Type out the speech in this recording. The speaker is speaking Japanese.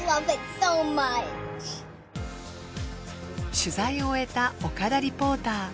取材を終えた岡田リポーター。